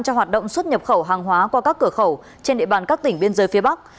cho hoạt động xuất nhập khẩu hàng hóa qua các cửa khẩu trên địa bàn các tỉnh biên giới phía bắc